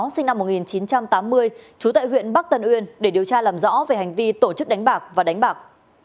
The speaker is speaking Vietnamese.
sinh năm một nghìn chín trăm tám mươi trú tại huyện bắc tân uyên để điều tra làm rõ về hành vi tổ chức đánh bạc và đánh bạc